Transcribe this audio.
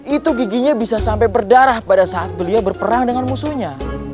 itu giginya bisa sampai berdarah pada saat beliau berperang dengan musuhnya